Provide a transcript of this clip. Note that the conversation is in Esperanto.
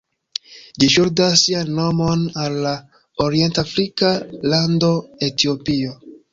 Ĝi ŝuldas sian nomon al la orient-afrika lando Etiopio.